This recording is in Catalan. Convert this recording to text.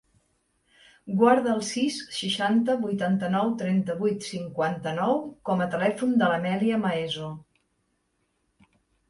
Guarda el sis, seixanta, vuitanta-nou, trenta-vuit, cinquanta-nou com a telèfon de l'Amèlia Maeso.